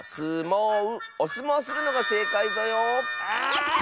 やった！